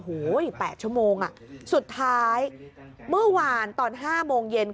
โอ้โห๘ชั่วโมงสุดท้ายเมื่อวานตอน๕โมงเย็น